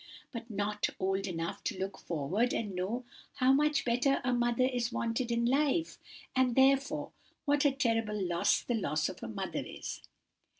But not old enough to look forward and know how much a mother is wanted in life; and, therefore, what a terrible loss the loss of a mother is."